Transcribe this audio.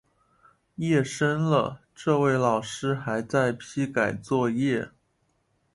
夜深了，这位老师还在批改作业